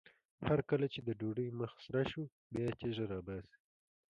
هر کله چې د ډوډۍ مخ سره شو بیا یې تیږه راباسي.